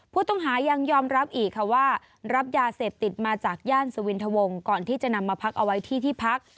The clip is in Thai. ผู้ต้องหายังยอมรับอีกค่ะว่ารับยาเสพติดมาจากย่านสวินทวงก่อนที่จะนำมาพักเอาไว้ที่ที่พัก